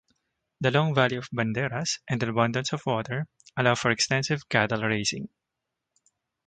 The long valley of Banderas, and abundance of water, allow for extensive cattle raising.